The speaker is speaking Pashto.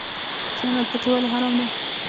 خیانت پکې ولې حرام دی؟